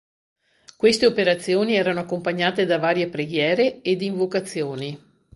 Queste operazioni erano accompagnate da varie preghiere ed invocazioni.